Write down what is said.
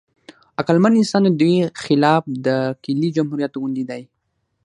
عقلمن انسان د دوی خلاف د کیلې جمهوریت غوندې دی.